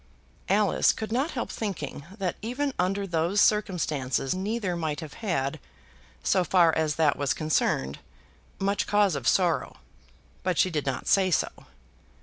Alice could not help thinking that even under those circumstances neither might have had, so far as that was concerned, much cause of sorrow, but she did not say so.